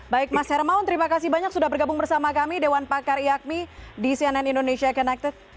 baik mas hermawan terima kasih banyak sudah bergabung bersama kami dewan pakar iakmi di cnn indonesia connected